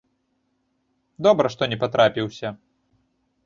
Добра, што не патрапіўся.